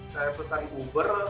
saya pesan uber